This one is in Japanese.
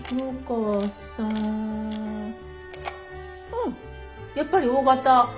うんやっぱりＯ型。